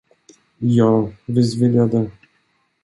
Ja, visst vill jag det.